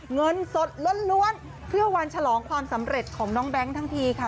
เงินสดล้วนเพื่อวันฉลองความสำเร็จของน้องแบงค์ทั้งทีค่ะ